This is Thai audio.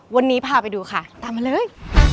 วันนี้พาไปดูค่ะตามมาเลย